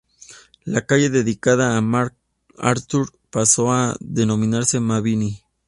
La calle dedicada a MacArthur pasó a denominarse Mabini.